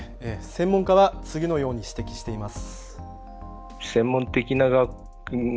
専門家は次のように指摘しています。